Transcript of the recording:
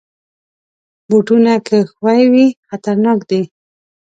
بوټونه که ښوی وي، خطرناک دي.